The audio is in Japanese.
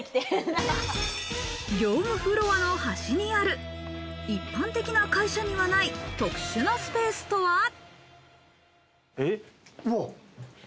業務フロアの端にある一般的な会社にはない特殊なスペースとは？